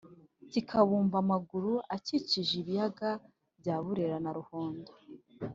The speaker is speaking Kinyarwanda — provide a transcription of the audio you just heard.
kikabumba amahugu akikije ibiyaga bya burera na ruhondo,